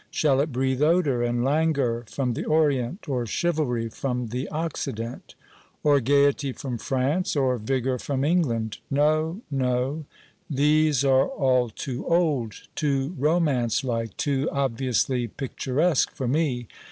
Shall it breathe odor and languor from the orient, or chivalry from the occident? or gayety from France? or vigor from England? No, no; these are all too old too romance like too obviously picturesque for me.